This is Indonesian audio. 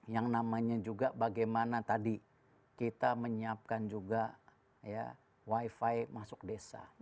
yang namanya juga bagaimana tadi kita menyiapkan juga ya wifi masuk desa